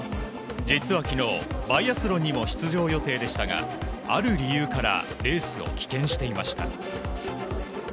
実は昨日、バイアスロンにも出場予定でしたがある理由からレースを棄権していました。